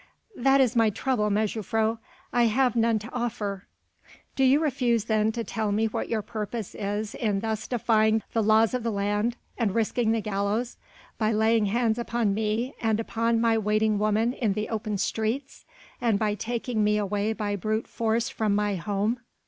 "That is my trouble, mejuffrouw. I have none to offer." "Do you refuse then to tell me what your purpose is in thus defying the laws of the land and risking the gallows by laying hands upon me and upon my waiting woman in the open streets, and by taking me away by brute force from my home?"